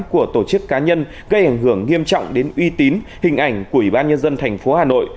của tổ chức cá nhân gây ảnh hưởng nghiêm trọng đến uy tín hình ảnh của ủy ban nhân dân thành phố hà nội